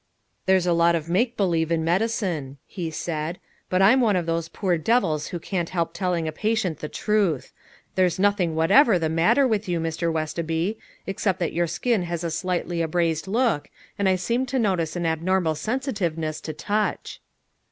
"There's a lot of make believe in medicine," he said; "but I'm one of those poor devils who can't help telling a patient the truth. There's nothing whatever the matter with you, Mr. Westoby, except that your skin has a slightly abrased look, and I seem to notice an abnormal sensitiveness to touch."